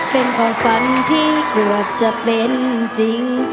เป็นความฝันที่เกือบจะเป็นจริง